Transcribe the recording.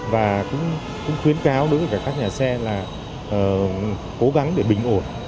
và cũng khuyến cáo đối với các nhà xe là cố gắng để bình ổn